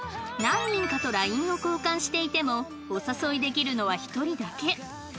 何人かと ＬＩＮＥ を交換していてもお誘いできるのは１人だけ